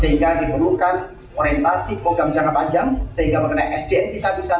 sehingga diperlukan orientasi program jangka panjang sehingga mengenai sdm kita bisa